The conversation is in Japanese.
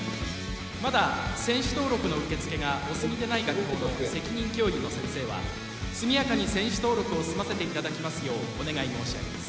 まだ選手登録の受付がお済みでない学校の責任教諭の先生は速やかに選手登録を済ませていただきますようお願い申し上げます